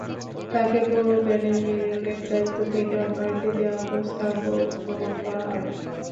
তাঁকে পৌর প্যানেল মেয়রের দায়িত্ব থেকে অব্যাহতি দেওয়ার প্রস্তাবও গ্রহণ করা হয়।